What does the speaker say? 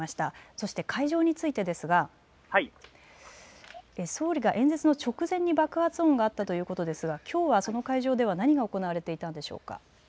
そして会場についてですが、総理が演説の直前に爆発音があったということですがきょうはその会場では何が行われていたんでしょうか。